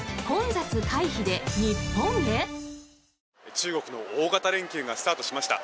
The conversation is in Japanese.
中国の大型連休がスタートしました。